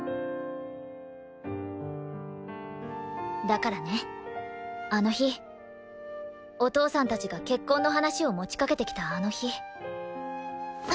だからねあの日お父さんたちが結婚の話を持ちかけてきたあの日。